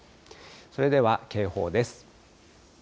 それでは警報です。